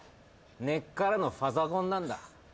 根っからのファザコンなんだ。